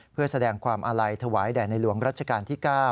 เพื่อแสดงความอาลัยถวายแด่ในหลวงรัชกาลที่๙